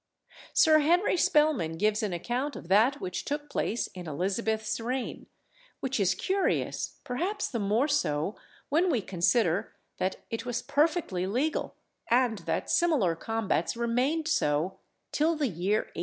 Sir Henry Spelman gives an account of that which took place in Elizabeth's reign, which is curious, perhaps the more so when we consider that it was perfectly legal, and that similar combats remained so till the year 1819.